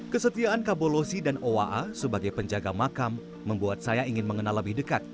kesetiaan kabolosi dan owa sebagai penjaga makam membuat saya ingin mengenal lebih dekat